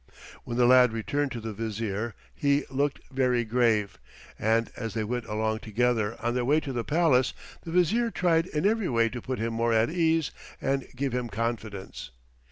When the lad returned to the Vizier he looked very grave, and as they went along together on their way to the palace the Vizier tried in every way to put him more at ease and give him confidence.